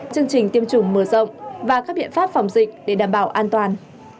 chương trình tiêm chủng mở rộng và các biện pháp phòng dịch để đảm bảo an toàn